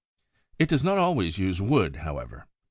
It does not always use wood, however.